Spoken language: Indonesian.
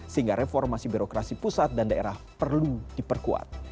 sehingga reformasi birokrasi pusat dan daerah perlu diperkuat